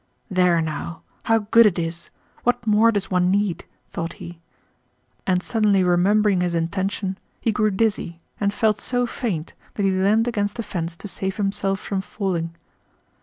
"There now, how good it is, what more does one need?" thought he. And suddenly remembering his intention he grew dizzy and felt so faint that he leaned against the fence to save himself from falling.